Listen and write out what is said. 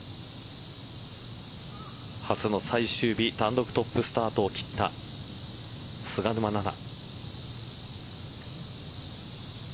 初の最終日単独トップスタートを切った菅沼菜々。